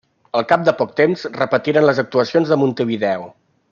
Al cap de poc temps, repetiren les actuacions a Montevideo.